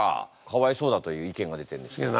かわいそうだという意見が出てるんですけど。